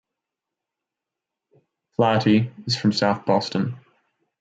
Flaherty is from South Boston.